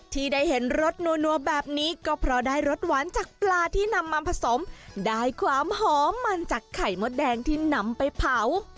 ที่ได้เห็นรสนัวแบบนี้ก็เพราะได้รสหวานจากปลาที่นำมาผสมได้ความหอมมันจากไข่มดแดงที่นำไปเผา